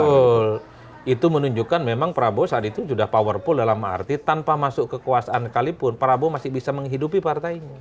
betul itu menunjukkan memang prabowo saat itu sudah powerful dalam arti tanpa masuk kekuasaan sekalipun prabowo masih bisa menghidupi partainya